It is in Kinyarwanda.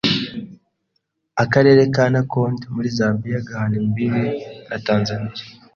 Akarere ka Nakonde muri Zambia gahana imbibi na Tanzania,